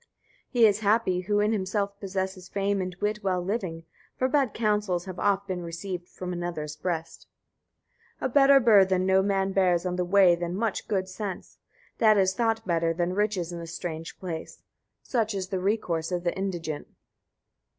9. He is happy, who in himself possesses fame and wit while living; for bad counsels have oft been received from another's breast. 10. A better burthen no man bears on the way than much good sense; that is thought better than riches in a strange place; such is the recourse of the indigent.